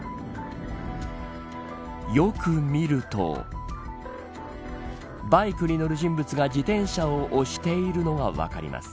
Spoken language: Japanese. よく見るとバイクに乗る人物が自転車を押しているのが分かります。